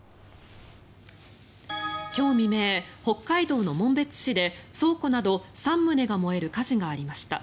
今日未明、北海道の紋別市で倉庫など３棟が燃える火事がありました。